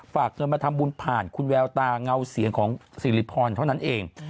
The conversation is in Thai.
ฝากเงินมาทำบุญผ่านคุณแววตาเงาเสียงของสิริพรเท่านั้นเอง